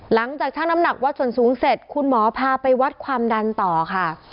หลังจากช่างน้ำหนักวัดส่วนสูงเสร็จคุณหมอพาไปวัดความดันต่อค่ะ